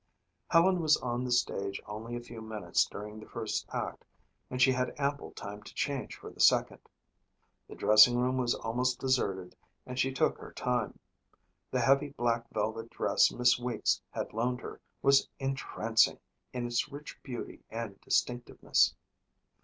Helen was on the stage only a few minutes during the first act and she had ample time to change for the second. The dressing room was almost deserted and she took her time. The heavy, black velvet dress Miss Weeks had loaned her was entrancing in its rich beauty and distinctiveness.